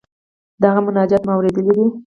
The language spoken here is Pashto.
د هغه مناجات مو اوریدلی دی.